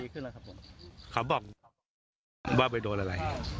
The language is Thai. เขาบอกว่าไปโดดอะไร